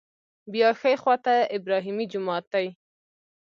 بیا ښي خوا ته ابراهیمي جومات دی.